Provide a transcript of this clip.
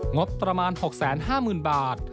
งบประมาณ๖๕๐๐๐บาท